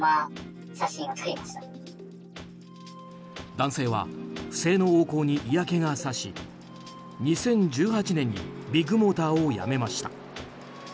男性は不正の横行に嫌気がさし２０１８年にビッグモーターを辞めました。